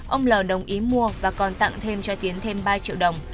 ông l đồng ý mua và còn tặng thêm cho tiến thêm ba triệu đồng